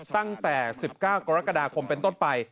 ตั้งแต่๑๙กรกฎาคมเป็นต้นไป